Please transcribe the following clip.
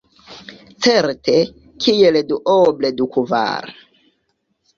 Certe, kiel duoble du kvar.